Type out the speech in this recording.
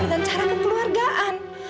dengan cara kekeluargaan